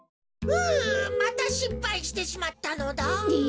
うんまたしっぱいしてしまったのだ。え！？